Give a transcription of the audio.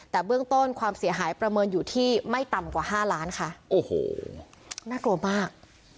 แต่เบื้องต้นความเสียหายประเมินอยู่ที่ไม่ต่ำกว่าห้าล้านค่ะโอ้โหน่ากลัวมาก